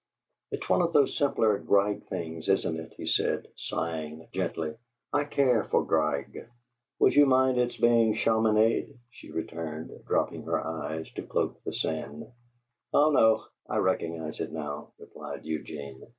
"It's one of those simpler Grieg things, isn't it?" he said, sighing gently. "I care for Grieg." "Would you mind its being Chaminade?" she returned, dropping her eyes to cloak the sin. "Ah no; I recognize it now," replied Eugene.